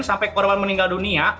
sampai korban meninggal dunia